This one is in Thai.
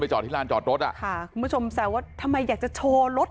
จอดที่ลานจอดรถอ่ะค่ะคุณผู้ชมแซวว่าทำไมอยากจะโชว์รถ